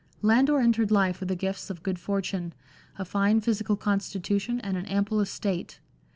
Landor entered life with the gifts of good fortune, a fine physical constitution and an ample estate.